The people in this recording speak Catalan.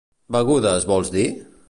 Begudes, vols dir?